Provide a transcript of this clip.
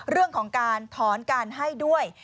เรื่องของการถอนการให้ด้วย